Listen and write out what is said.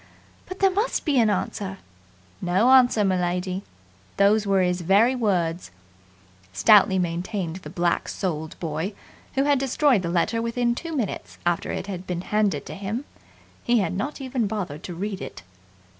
But there must be an answer!" "No answer, m'lady. Those was his very words," stoutly maintained the black souled boy, who had destroyed the letter within two minutes after it had been handed to him. He had not even bothered to read it.